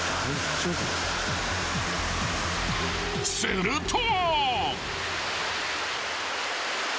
［すると］